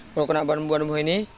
kalau kena badan buah buah ini